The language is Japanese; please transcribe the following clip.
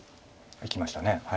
いきました。